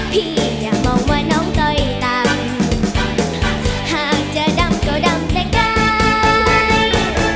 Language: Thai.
พี่อย่ามองว่าน้องใจต่ำหากจะดำก็ดำแต่ใกล้